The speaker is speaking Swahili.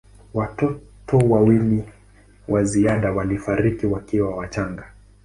Watoto wawili wa ziada walifariki wakiwa wachanga.